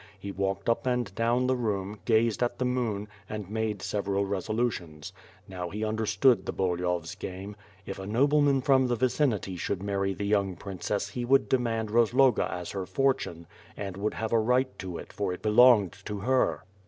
He walked up and down the room, gazed at the moon, and made several resolutions. Now he understood the Bulyhov's game. If a nobleman from the vicinity should marry the young princess he would demand Rozloga as her fortune and would have a right to it for it belonged to her.